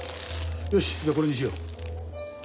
よしじゃあこれにしよう。